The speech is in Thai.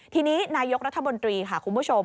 ทีนี้นายกรัฐมนตรีค่ะคุณผู้ชม